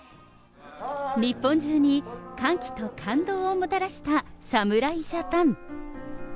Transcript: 日本中に歓喜と感動をもたらした侍ジャパン。